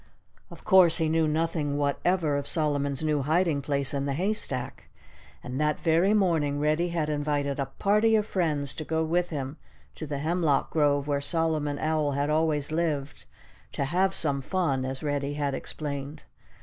Of course, he knew nothing whatever of Solomon's new hiding place in the haystack. And that very morning Reddy had invited a party of friends to go with him to the hemlock grove where Solomon Owl had always lived, "to have some fun," as Reddy had explained.